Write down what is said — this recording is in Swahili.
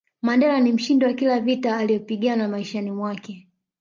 Mandela ni mshindi wa kila vita aliyopigana maishani mwake